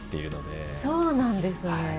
そうなんですね。